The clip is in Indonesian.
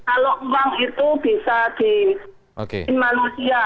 kalau uang itu bisa dimanusia